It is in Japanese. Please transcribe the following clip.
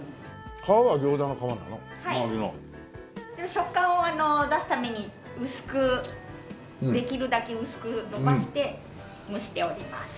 食感を出すために薄くできるだけ薄く延ばして蒸しております。